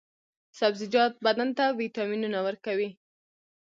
سبزیجات بدن ته ویټامینونه ورکوي.